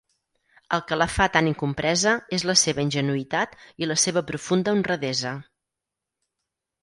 El que la fa tan incompresa és la seva ingenuïtat i la seva profunda honradesa.